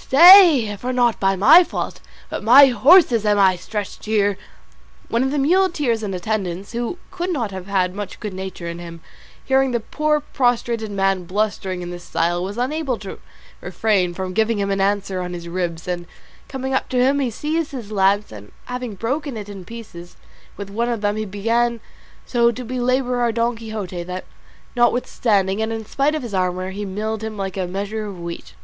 stay, for not by my fault, but my horse's, am I stretched here." One of the muleteers in attendance, who could not have had much good nature in him, hearing the poor prostrate man blustering in this style, was unable to refrain from giving him an answer on his ribs; and coming up to him he seized his lance, and having broken it in pieces, with one of them he began so to belabour our Don Quixote that, notwithstanding and in spite of his armour, he milled him like a measure of wheat.